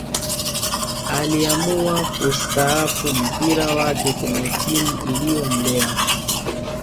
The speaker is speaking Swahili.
Aliamua kusitahafu mpira wake kwenye timu iliyomlea